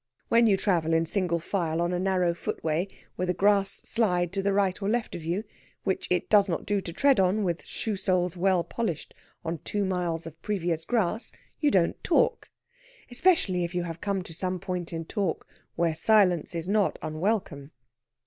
When you travel in single file on a narrow footway with a grass slide to right or left of you, which it does not do to tread on with shoe soles well polished on two miles of previous grass, you don't talk especially if you have come to some point in talk where silence is not unwelcome.